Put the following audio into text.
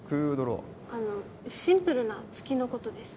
あのシンプルな突きのことです・